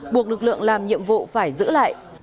buộc lực lượng làm nhiệm vụ phải giữ lại